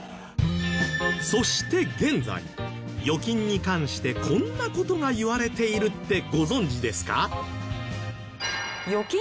そして現在預金に関してこんな事が言われているってご存じですか？